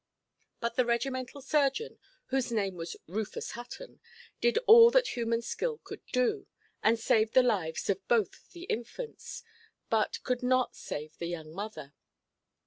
But the regimental surgeon, whose name was Rufus Hutton, did all that human skill could do, and saved the lives of both the infants, but could not save the young mother.